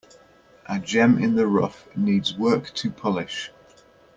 A gem in the rough needs work to polish.